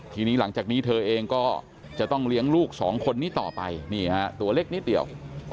ทีนี้หลังจากนี้เธอเองก็จะต้องเลี้ยงลูกสองคนนี้ต่อไปนี่ฮะตัวเล็กนิดเดียว